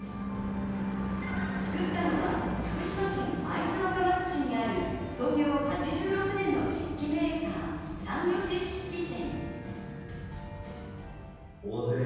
作ったのは福島県会津若松市にある創業８６年の漆器メーカー、三義漆器店。